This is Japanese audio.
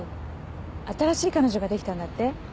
新しい彼女ができたんだって？